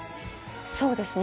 そうですね